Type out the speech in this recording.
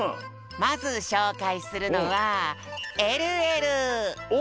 まずしょうかいするのは「えるえる」。